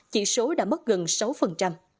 chỉ số đã mất gần sáu